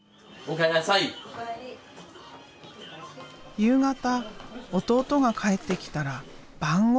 夕方弟が帰ってきたら晩ごはん。